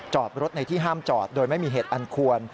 จอดรถในที่ห้ามจอดโดยไม่มีเหตุอันควร